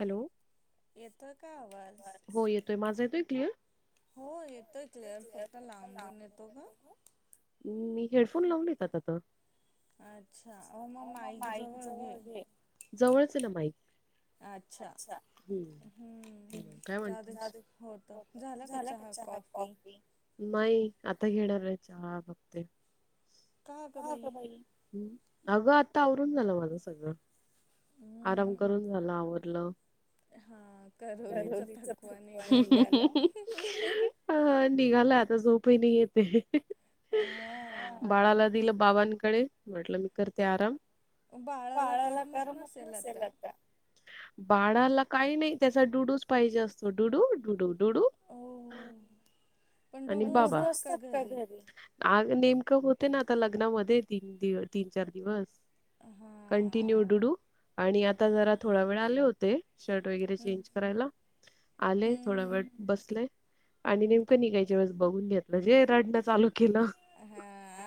Hello. येतो का आवाज? हो येतोय, माझा येतोय क्लिअर? हो येतोय क्लिअर, फक्त लांबून येतो ह? मी हेडफोन लावून येतात आता? म माईक जवळघे, जवळच आहे ना माईक. अच्छा, हम्म. हम जाऊ दे होतं झालं का चहा कॉफी? नाही, आता घेणार आहे चहा बघते. अगं आता आवरून झालं माझ सगळं, आराम करून झाला आवरलं. हा. ह ह ह. अ निघालाय आता झोपही नाही येते. बाळाला दिलं बाबांकडे, म्हटलं मी करते आराम. बाळाला करमत नसेल आता. बाळाला काही नाही, त्याचा डुडूच पाहिजे असतो डुडू डुडू डुडू आणि बाबा असतात डूडू असतात का घरी? का घरी. आ नेमकं होते ना आता लग्नामध्ये, तीन दि तीन चार दिवस. हा. कंटिन्यू डुडू आणि आता जरा थोडा वेळ आले होते. शर्ट वगैरे चेंज करायला आले थोडा वेळ बसलेय आणि नेमकं निघाय स बघून घेतलं जे रडणं चालू केलं.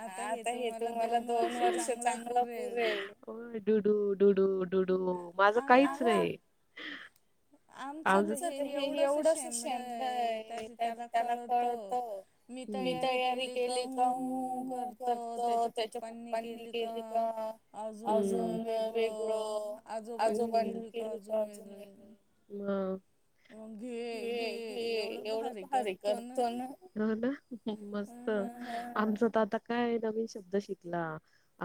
हा आता हे तुम्हाला दोन वर्ष चांगलं पुरेल. होय डुडू डुडू डुडू माझं काहीच नाही. आमचं हे एवढ च आहे शेंबड लय त्याला कळतं. मी तयारी केली का हुं हुं करतो, त्याच्या पप्पांनी केली का? अजून वेगळं आजोबांनी केली का अजून वेगळी ह घे घे एवढं भारी? करतो ना? हो ना? मस्त, आमच त आता? काय नवीन शब्द शिकला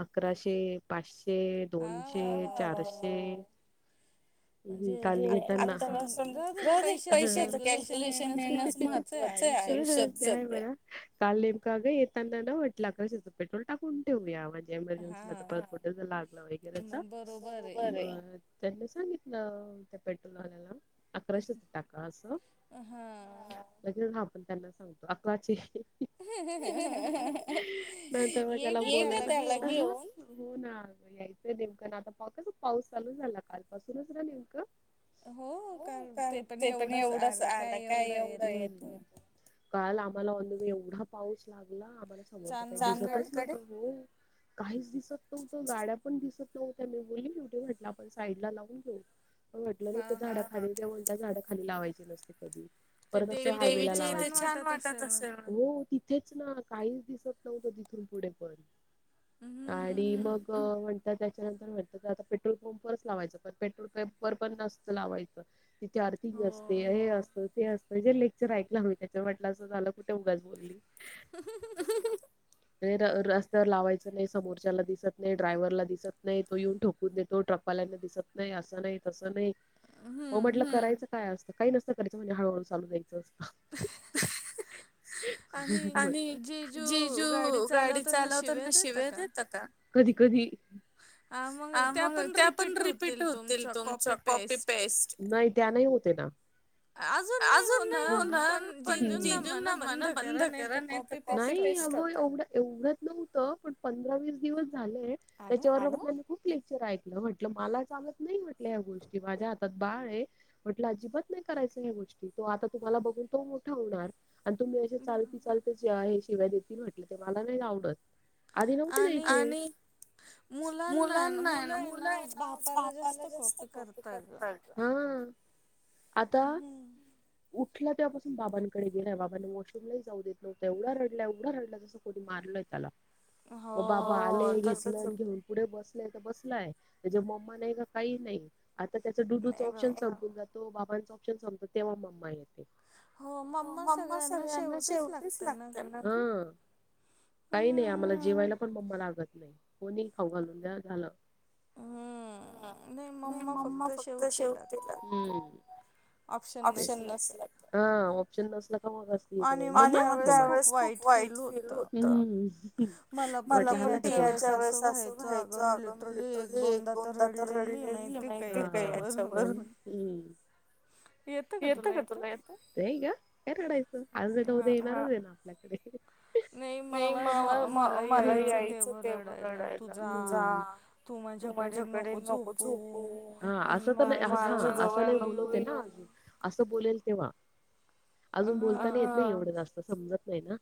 अकराशे पाचशे, दोनशे, चारशे. ह म्हणजे आतापासून जाऊदे पैशाचं कॅल्क्युलेशन येणच महत्त्वाचं ते आहे आयुष्यत सध्या. बर, काल नेमकांग येताना न म्हणलं अकराशेचं पेट्रोल टाकून ठेऊया म इमर्जन्सीला तर कुठ तर लागला वगैरे चा? त्यांनी सांगितलं त्या पेट्रोलवाल्याला अकराशेच टाका असं. हा. े हा आपण त्यांना सांगतो अकलाची [inaudible] त्याला घेऊन. हो ना यायचंय नेमकं ना आता पाऊस चालू झाला काल पासूनच ना नेमकं. हो काल ते पण एवढंच आला काय एवढं येतोय तो. काल आम्हाला एवढा पाऊस लागला आम्हाला. समोरच काहीच दिसतं नव्हत गाड्या पण दिसत नव्हत्या मी बोल म्हटलं आपण साईड लावून घेऊ. म्हटलं नको झाडा खाली ते म्हणतंय झाडा खाली लावायचे नसते कधी. देवीची इथे छान वाटात असेल. हो तिथेच ना काहीच दिसत नव्हतं तिथून पुढे पण हम् हम आणि मग म्हणतात त्याच्यानंतर म्हणतात तर आता पेट्रोल पंपवरच लावायचं पण पेट्रोल पंपर पण नसतं. लावायच तिथं आर ती असते हे असतं ते असत जे लेक्चर ऐकलं म त्याच्या वाटलं असं झालं कुठं कुठं उगाच बोलली. रस्त्यावर लावायचं नाही समोरच्याला दिसत नाही ड्रायव्हरला दिसत नाही तो येऊन ठोक तो देतो ट्रकपाल्याना दिसत नाही. असं नाही तसं नाही. मग म्हटलं करायचं काय असतं काही नसतं करायचं म्हणे हळूहळू चालू जायच असतं. आणि जेजू गाडी चालवताना शिव्या देत का? कधी- कधी. अ मग त्या पण रिपीट होतील तुमच्या कॉपी पेस्ट. नाही त्या नाही होतं हे ना. अजून नाही होणार पण जीजू ना म्हणा बंद करा नाही तर नाही अगं एवढं- एवढंनं प- पंधरा, वीस दिवस झाले त्याच्यावर खूप ऐकलं म्हटलं मला चालतं नाही म्हटलं या गोष्टी माझ्या हातात बाळ आहे. म्हटलं अजिबात नाही करायचं ह्या गोष्टी. तो आता तुम्हाला बघून तो मोठा होणार आणि तुम्ही अ चालती- चाल हे शिवा्या देतील म्हटलं ते मला नाही आवडतं. आधी नव्हते यदयाचे मुलांना आहे ना, मुलं आहे ना बापाला जास्त कॉफी करतात. हा आता उठला तेव्हा पासून बाबांकडे गेलाय बाबाांनी वॉशरूमलाही जाऊ देत नव्हता एवढा रडला एवढा रडला कोणी मारलयं त्याला बाबा आले घेतलं घेऊ पुढे बसलेय तर बसलाय, त्याच्या मम्मा नाही का काही नाही. आता त्याचं डूचं ऑप्शन संपून जातो बाबांचं ऑप्शन संपतो तेव्हा मम्मा येते. हो मम्मा सगळ्यांना शेवटीच लागते ना. हा काही नाही आम्हाला जेवायला पण मम्मा लागत नाही कोणी खाऊ घालून द्या झालं. नाही मम्मा फक्त शेवटतीला. ऑप्शन नसलं हा ऑप्शन नसलं का मग असं. मग त्या वळेसं खूप वाईट फील होत. मला पण याच्या वेळेसं असं व्हायचं अगं मी लिटरली एक दोनदा तर रडलेली माहिती. का अचछ हम्म [inaudible] [unintelligible] येतं का तुला, येतं ते ग काय रडायचं. अज न उद्या येणार दे ना, आपल्याकडे नाही, मला म मला यायचं तेव्हा रडायला, तुझा तू माझ्याकडे नको झोपू, अस [inaudible] असं बोलेल तेव्हा, अजून बोलताना येतं. एवढं जास्त समजत. नाही ना,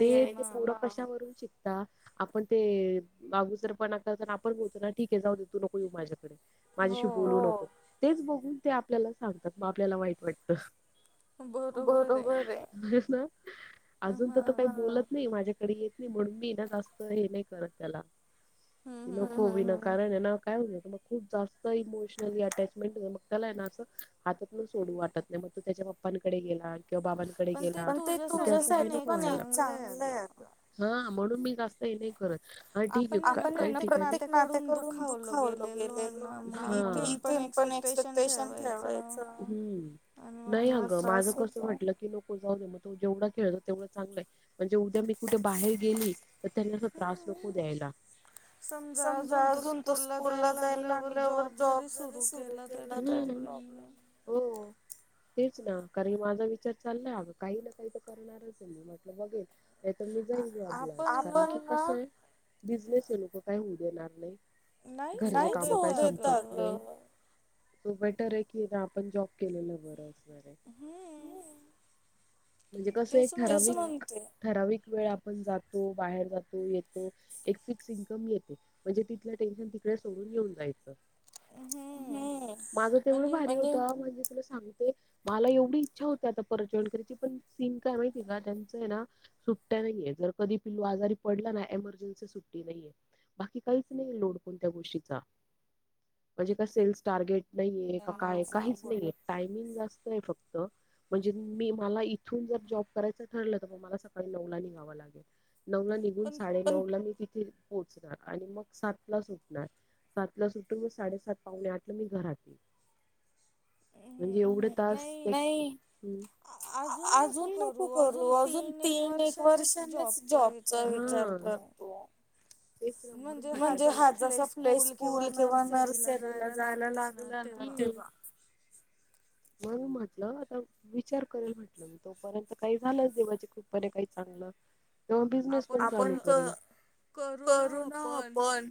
ते ते पर कशावरून शिकता. आपण ते अगोदर पणा आपण बोलतो ना. ठीके, जाऊ देतू नको, येऊ माझ्याकडे. माझ्याशी बोलू न [inaudible] तेच, बघून ते आपल्याला सांगतात. मग आपल्याला वाई बतब [inaudible] आहे ना. अजून तर त काही बोलत नाही. माझ्याकडे येत नाही. म्हणून, मी ना जास्त हे नाही करत. त्याला नकोवी कार काय, मग खूप जास्त इमोशनली अटचमेंट हो हात सोडू वाटत नाही, मग तो त्याच्या पप्पांकडे गेला किंवा बाबांकडे [inaudible] [inaudible] [inaudible] त च म [inaudible] नाही करत, ठीक आहे आपण ना, प्रत्येक नात्याकडून दुखावलो गेलेलो. पण, एक्सपेक्टेशन [unintelligible] [inaudible] ट की, नको जाऊ मग. तो जेवढा खेळत तेवढं चांगलय म्हणजे? उद्या मी कुठे बाहेर गेली. त्यांना, त त्रास नकू द्यायला. समजा, अजून तो स्कूल ला जायला लागल्यावर जॉब जरी सुरु केला. ह... हो... तेच ना. कारण, माझा विचार चालला हं. काही ना काही, तर करणारच आहे. मी म्हटलं बघेल. तर मी जाई जॉबलाय कस आहे. बिझनेस आहे. लोक काही होऊ देणार नाही. [inaudible] [inaudible] [inaudible] घ सहज होत सो बेटर आहे की, आपण जॉब केलेलं बरं असणार आहे. म्हणजे, कस एक ठराविक, ठराविक वेळ [inaudible] आपण जातो, बाहेर जातो, येतो, एक फिक्स इन्कम येते. म्हणजे? तिथलं टेन्शन तिकडे सोडून घेऊन जायचं. हम..... माझं तेवढं भारी होतं. म्हणजे? तुला सांगते. मला एवढी इच्छा होते. आता परजन करायची, पण सीन काय माहिती आहे का? त्यांचं आहे ना. सुट्ट्या नाहीये, जर कधी पिल्लू आजारी पडला ना. एमर्जन्सी सुट्टी नाहीये. बाकी काहीच नाही. लोड कोणत्या गोष्टीचा, म्हणजे? का सेल्स टार्गेट. नाहीये का काय, काहीच नाहीये, टायमिंग जास्त आहे. फक्त म्हणजे? मी मला इथून जर जॉब करायचं ठरलं. तर मग मला सकाळी नऊ ला निघावं लागेल. नऊ ला निघून, साडे नऊ ला, मी तिथे पोहचणार. आणि मग, सात ला सुटणार. सात ला सुट [inaudible] मग, साडेसात पावणे आठला मी घरात. नाही, अजून नको करू, अजून तीन एक वर्ष [inaudible] च जॉबचा विचार करतो. म्हणजे? हा जसा प्ले स्कूल, किंवा नर्सरीला जायला लागला ना. [inaudible] [inaudible] मग म्हटलं, आता विचार करेल म्हटलं. तोपर्यंत काही झालंच, देवजे खूपपर् काही चांगलं [inaudible] [inaudible] ते बिझनेसण करू ना. आपण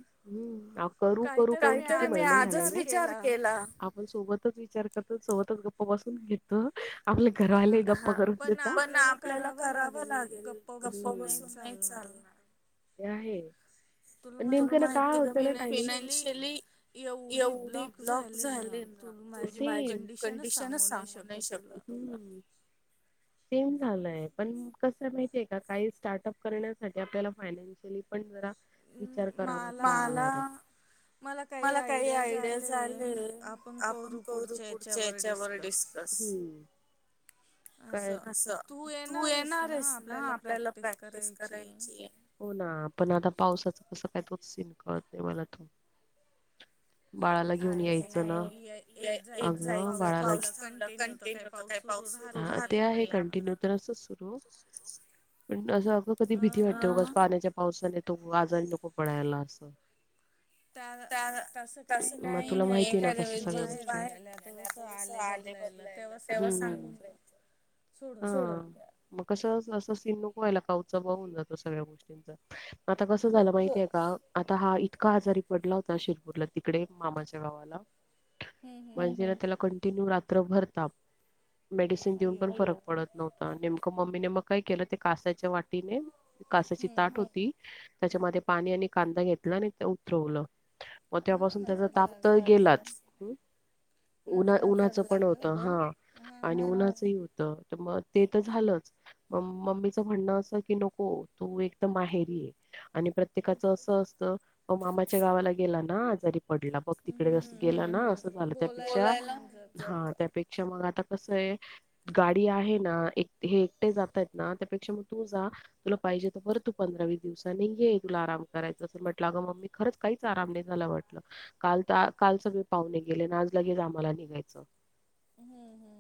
करू, करू काहीतरी. मी आजच विचार केला. आपण सोबतच विचार करतो. सोबतच गप्पापसून घेतो. आपले घर आले. गप्पा करूच आता पण आपल्याला करावं लागेल गप्प बसून नाही चालणार. [unintelligible] ते आहेच. नेमक काय होत ना फायनान्सीअली एवढे ब्लॉक झालेत. माझी कंडिशनच सांगू नाही शकत ह. सेम झालय. पण कस माहितीय का काही स्टार्टअप करण्यासाठी आपल्या फायनान शली जरा विचार कराव लागेल. मला मला काही आयडियाज आले आपण करू पुढ च्या हेच्यावर डिस्कस काय अस. तू येणार आहेस ना. आपल्याला प्रॅक्टिस करायची आहे. हो ना. आपण आता पावसाचं कसं काय तोच सीन कळत नाही मला तो. बाळाला घेऊन यायचं ना. आम बाळाला. पाऊस थांबला कंटिन्यू तर पाऊस ते आहे कंटिन्यू तर सुरू पण असं अगं कधी भीती वाटते. उगाच पाण्याच्या पावसाने तो आजारी नको पडायला असं. त्या न तस काही मग तुला तस काही माहिती नाही. आलेय बघ बदलायला तेव्हा सांगून द्यायचं. मग कसं असं सीन नको व्हायला. काउच बावू होऊन जातो सगळ्या गोष्टींचा. आता कसं झालं माहितीय का. आता हा इतका आजारी पडला होता. शिरपूरला तिकडे मामाच्या गावाला हम् हम. तेव्हा त्याला कंटिन्यू रात्रभर ताप. मेडिसिन देऊन पण फरक पडत न्हवत. नेमकं मम्मीने मग काय केलं ते कासाच्या वाटीने कासाची ताट होती. त्याच्यामध्ये पाणी आणि कांदा घेतला आणि ते उतरवलं. मग तेव्हापासून त्याचा ताप तो गेलाच. उन्हा उन्हाचं पण होतं हा. आणि उन्हाचंही होतं. त्यामुळं ते तर झालंच. म मम्मीचं म्हणणं असं की नको तू एकतर माहेरी आहे. आणि प्रत्येकाचं असं असतं. तो मामाच्या गावाला गेला ना. आजारी पडला. मग तिकडे गेला ना असं झालं, त्यापेक्षा हा त्यापेक्षा मग आता कसं आहे. गाडी आहे ना. एक हे एकटे जात आहेत ना. त्यापेक्षा मग तू जा. तुला पाहिजे तर कर तू पंधरा वीस दिवसांनी. ये तुला आराम करायचा असेल तर म्हटलं अं मम्मी खरच काहीच आराम नाही झाला वाटल. काल त काल सगळी पाहुणे गेले ना अजू लगेच आम्हाला निघायचं. हम हम.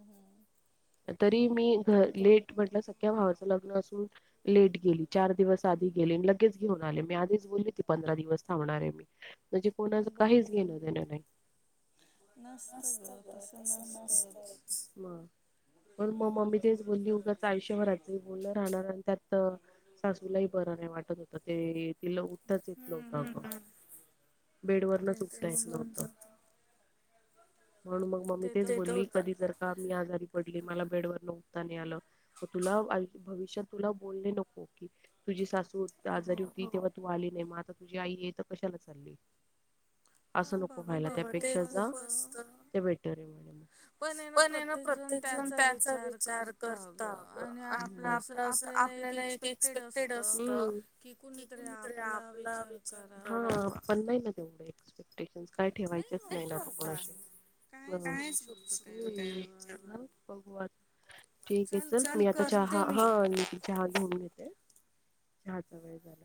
तरी मी घ लेट म्हटलं सख्या भावाचं लग्न असून, लेट गेली. चार दिवस आधी गेले. लगेच घेऊन आले मी आधीच बोलली ती पंधरा दिवस थांबणार आहे. [inaudible] म्हणजे कोणाचं काहीच घेणं देणं नाही. नसत ग तसं नसतच. मग. पण मग मम्मी तेच बोलली उगाच आयुष्यभराच बोलण राहणार आणि त्यात सासूलाही बरं नाही वाटत होत. ते तिला उठायला येतच नव्हतं. बेड वरणच उठता येत नव्हत. म्हणून मग मम्मी तेच बोली कधी जर का मी आजारी पडली मला बेड वरन उठता नाही आलं तुला भविष्यात तुला बोलणे नको की तुझी सासु आजारी होती. तेव्हा तू आली नाही मग आता तुझी आई आहे तर कशाला चालली. असं नको व्हायला. त्यापेक्षा जा ते बेटर हे. पण आहेना प्रत्येक जून त्याचा विचार करताव. अ.. आपलंस आपल्याला एक एक एक्सपेक्टेड असतं की, कुणीतरी आपला विचार पण नाही ना, तेवढे एक्सपेक्टेशन काय ठेवायचाच नाही ना, [unintelligible] [unintelligible] ठीक हे चल मी आता चहा हा, निघ. चहा घेऊन नेते. चहाचा वेळ झाला.